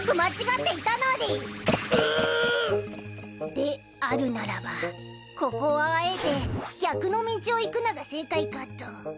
であるならばここはあえて逆の道を行くのが正解かと。